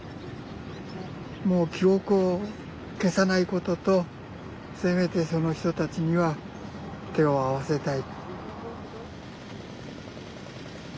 もう記憶を消さないこととせめてその人たちには手を合わせたい。